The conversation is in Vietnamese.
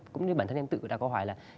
cũng như bản thân em tự đã có hoài là